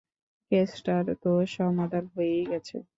কেসটার তো সমাধান হয়েই গেছে।